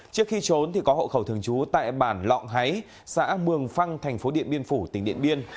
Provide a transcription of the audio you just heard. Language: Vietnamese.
trước khi trốn có hộ khẩu thường trú tại bản lọng háy xã mường phăng thành phố điện biên phủ tỉnh điện biên